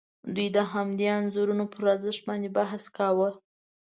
دوی د همدې انځورونو پر ارزښت باندې بحث کاوه.